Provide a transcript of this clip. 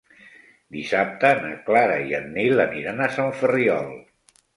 Dissabte na Clara i en Nil aniran a Sant Ferriol.